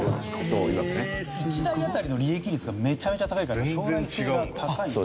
１台当たりの利益率がめちゃめちゃ高いから将来性が高いんです。